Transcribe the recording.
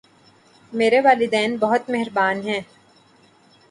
میرے والدین بہت مہربان ہیں